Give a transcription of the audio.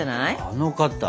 あの方。